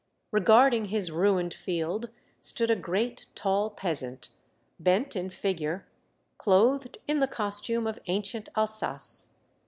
Regarding his ruined field, stood a great, tall peasant, bent in figure, clothed in the costume of ancient Alsace.